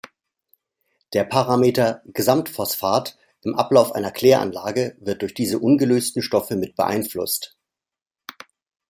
Der Parameter Gesamt-Phosphat im Ablauf einer Kläranlage wird durch diese ungelösten Stoffe mit beeinflusst.